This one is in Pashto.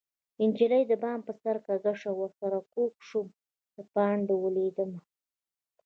نجلۍ د بام په سر کږه شوه ورسره کوږ شومه د پانډه ولوېدمه